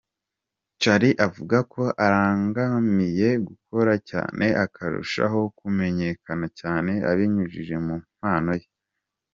Charly avuga ko arangamiye gukora cyane akarushaho kumenyekana cyane, abinyujije mu mpano ye.